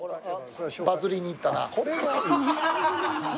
・バズりに行ったな。